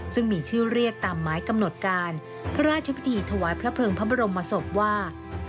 ซึ่งมีชื่อเรียกตามหมายกำหนดการพระราชพิธีถวายพระเพิงพระบรมศพว่า